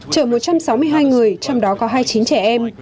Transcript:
chở một trăm sáu mươi hai người trong đó có hai mươi chín trẻ em